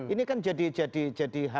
ini kan jadi hal yang kurang baik juga